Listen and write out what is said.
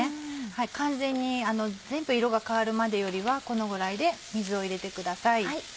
完全に全部色が変わるまでよりはこのぐらいで水を入れてください。